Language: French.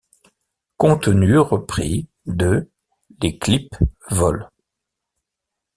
Contenu repris de Les clips vol.